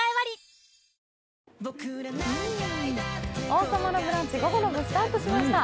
「王様のブランチ」、午後の部スタートしました。